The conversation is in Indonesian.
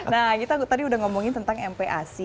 nah kita tadi udah ngomongin tentang mpac